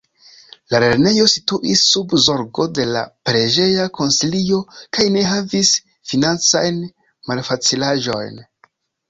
La lernejo situis sub zorgo de la preĝeja konsilio kaj ne havis financajn malfacilaĵojn.